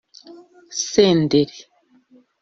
Senderi